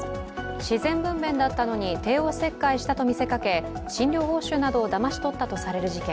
自然分娩だったのに帝王切開したと見せかけ診療報酬などをだまし取ったとされる事件。